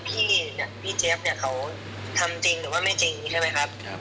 พี่ไม่รู้ในชัดนะครับว่าพี่เจฟเขาทำจริงหรือไม่จริงใช่ไหมครับ